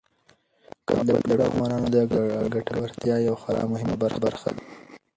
کابل د ټولو افغانانو د ګټورتیا یوه خورا مهمه برخه ده.